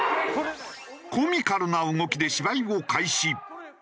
コミカルな動きで芝居を開始。